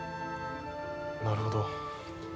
なるほど。